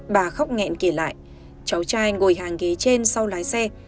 bà khóc nghẹn kể lại cháu trai gồi hàng ghế trên sau lái xe